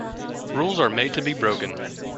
Rules are made to be broken.